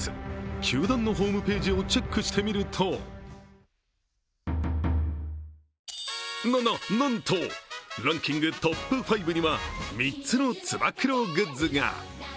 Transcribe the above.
球団のホームページをチェックしてみるとなななんと、ランキングトップ５には３つのつば九郎グッズが。